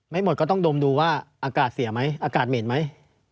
ไม่หมดก็ต้องดมดูว่าอากาศเสียไหมอากาศเหม็นไหม